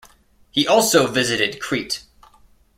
He also visited Crete.